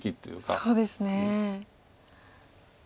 そうですね。